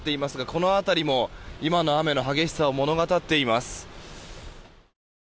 この辺りも今の雨の激しさを物語っています。